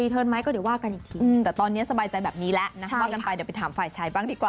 แต่ว่าตอนนี้ถามว่าในอนาคตจะ